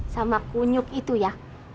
sama kunyuk itu ya